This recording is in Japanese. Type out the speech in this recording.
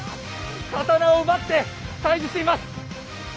刀を奪って対峙しています！